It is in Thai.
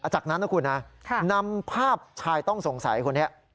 จากนั้นนะคุณนะนำภาพชายต้องสงสัยคนนี้